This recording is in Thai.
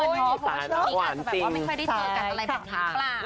อ๋อน้องเพราะว่าที่นี่อาจจะไม่ค่อยได้เจอกันอะไรแบบนี้หรือเปล่านะคะ